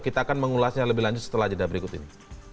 kita akan mengulasnya lebih lanjut setelah jeda berikut ini